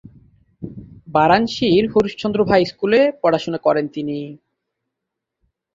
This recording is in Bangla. বারাণসীর হরিশ চন্দ্র ভাই স্কুলে পড়াশোনা করেন তিনি।